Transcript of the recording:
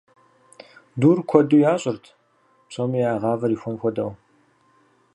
Дур куэду ящӏырт, псоми я гъавэр ихуэн хуэдэу.